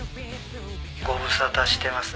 ☎ご無沙汰してますね。